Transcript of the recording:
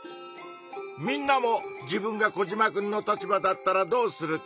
みんなも自分がコジマくんの立場だったらどうするか。